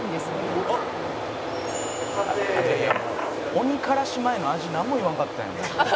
「鬼からし前の味なんも言わんかったやん」